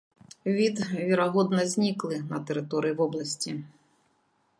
Від, верагодна зніклы на тэрыторыі вобласці.